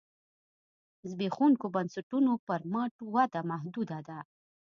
زبېښونکو بنسټونو پر مټ وده محدوده ده.